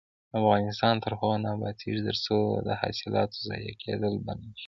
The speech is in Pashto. افغانستان تر هغو نه ابادیږي، ترڅو د حاصلاتو ضایع کیدل بند نشي.